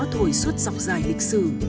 thổi suốt dọc dài lịch sử